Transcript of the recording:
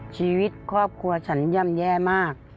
ชีวิตครอบครัวฉันย่ำแย่มาก